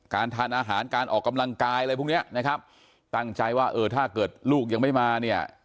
ทานอาหารการออกกำลังกายอะไรพวกเนี้ยนะครับตั้งใจว่าเออถ้าเกิดลูกยังไม่มาเนี่ย